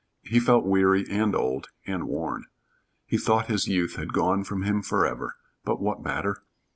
He felt weary and old and worn. He thought his youth had gone from him forever, but what matter?